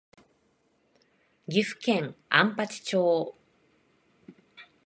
岐阜県安八町